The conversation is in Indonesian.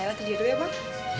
lela terjadi dulu ya bang